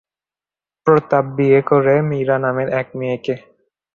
প্রতাপ বিয়ে করে মীরা নামের একজন মেয়েকে।